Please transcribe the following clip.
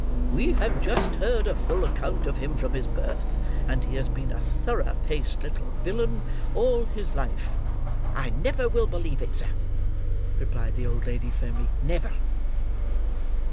We have just heard a full account of him from his birth; and he has been a thorough paced little villain, all his life." "I never will believe it, sir," replied the old lady, firmly. "Never!"